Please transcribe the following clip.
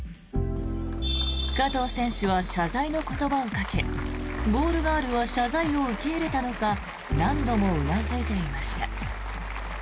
加藤選手は謝罪の言葉をかけボールガールは謝罪を受け入れたのか何度もうなずいていました。